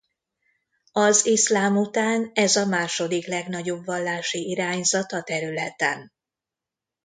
Az iszlám után ez a második legnagyobb vallási irányzat a területen.